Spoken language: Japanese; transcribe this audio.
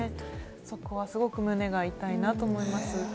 そこはすごく胸が痛いなと思います。